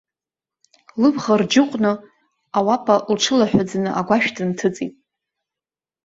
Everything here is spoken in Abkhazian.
Лыбӷа рџьыҟәны, ауапа лҽылаҳәаӡаны, агәашә дынҭыҵит.